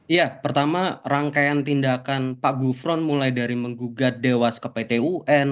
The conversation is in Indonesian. ya pertama rangkaian tindakan pak gufron mulai dari menggugat dewas ke pt un